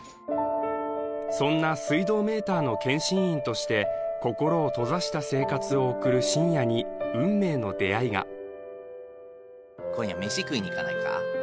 そんな水道メーターの検針員として心を閉ざした生活を送る信也に運命の出会いが今夜飯食いに行かないか？